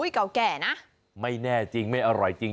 เก่าแก่นะไม่แน่จริงไม่อร่อยจริง